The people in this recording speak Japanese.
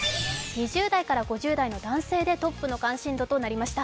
２０代から５０代の男性でトップの関心度となりました。